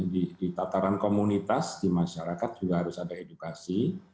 di tataran komunitas di masyarakat juga harus ada edukasi